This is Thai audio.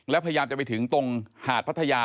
แล้วพยายามจะไปถึงตรงหาดพัทยา